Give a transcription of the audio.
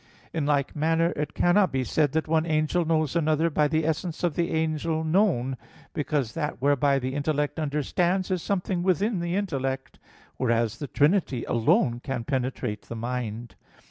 In like manner it cannot be said that one angel knows another by the essence of the angel known; because that whereby the intellect understands is something within the intellect; whereas the Trinity alone can penetrate the mind.